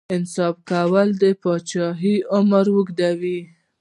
انصاف کول د پاچاهۍ عمر اوږدوي.